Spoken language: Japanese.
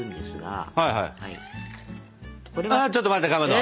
あちょっと待ってかまど！